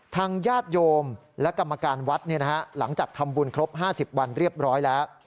ทางญาติโยมและกรรมการวัดหลังจากทำบุญครบ๕๐วันเรียบร้อยแล้ว